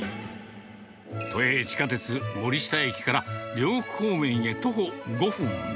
都営地下鉄森下駅から両国方面へ徒歩５分。